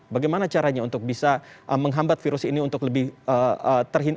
bagaimana caranya untuk bisa menghambat virus ini untuk lebih terhindar